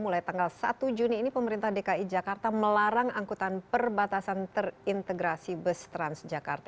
mulai tanggal satu juni ini pemerintah dki jakarta melarang angkutan perbatasan terintegrasi bus transjakarta